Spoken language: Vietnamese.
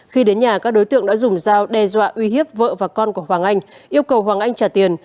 khi đến nhà các đối tượng đã dùng dao đe dọa uy hiếp vợ và con của hoàng anh yêu cầu hoàng anh trả tiền